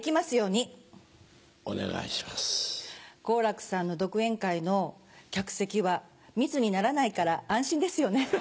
好楽さんの独演会の客席は密にならないから安心ですよね。